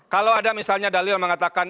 kalau ada misalnya dalil yang mengatakan